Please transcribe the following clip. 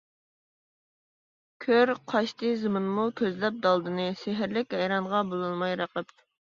كۆر، قاچتى زېمىنمۇ كۆزلەپ دالدىنى، سېھىرلىك ھەيرانغا بولالماي رەقىب!